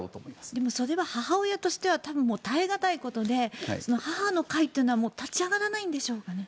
でも、それは母親としては耐え難いことで母の会というのは立ち上がらないんでしょうかね。